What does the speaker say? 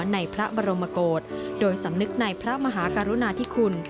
ในพระบรมกฏโดยสำนึกในพระมหากรุณาธิคุณ